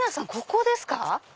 ここですか？